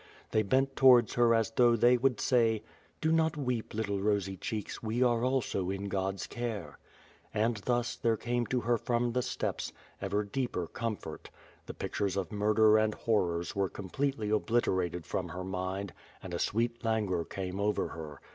They bent towards her as though they would say: "Do not weep, little rosy cheeks, we are also in God^s care.'' And thus, there came to her from the steppes, ever deeper comfort; the pictures of murder and horrors were completely obliterated from her mind and a sweet languor came over her.